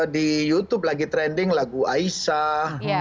di youtube lagi trending lagu aisah